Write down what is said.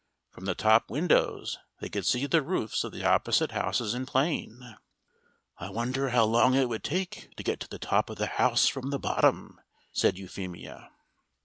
From the top windows they could see the roofs of the opposite houses in plan. "I wonder how long it would take to get to the top of the house from the bottom?" said Euphemia.